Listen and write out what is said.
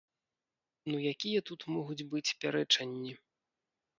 Ну якія тут могуць быць пярэчанні?